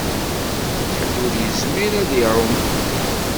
Ḥedd ur yezmir ad iɛum.